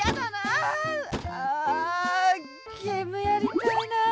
あゲームやりたいな。